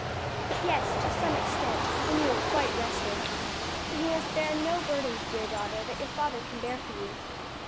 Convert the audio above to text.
"Yes, to some extent when you are quite rested. But you must bear no burdens, dear daughter, that your father can bear for you."